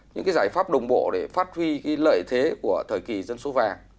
những cái giải pháp đồng bộ để phát huy lợi thế của thời kỳ dân số vàng